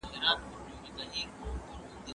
که موږ له یو بل سره مرسته وکړو نو هیلې به مو رښتیا سي.